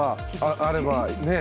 あればねえ。